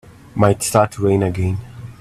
Might start to rain again.